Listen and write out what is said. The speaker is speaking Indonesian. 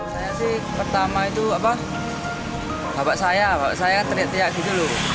saya sih pertama itu apa bapak saya bapak saya teriak teriak gitu loh